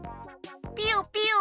ピヨピヨ！